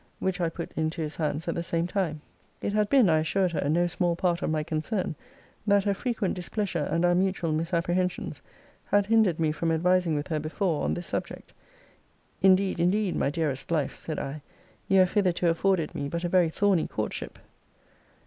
which I put into his hands at the same time. It had been, I assured her, no small part of my concern, that her frequent displeasure, and our mutual misapprehensions, had hindered me from advising with her before on this subject. Indeed, indeed, my dearest life, said I, you have hitherto afforded me but a very thorny courtship.